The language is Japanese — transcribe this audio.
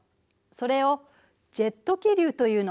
それを「ジェット気流」というの。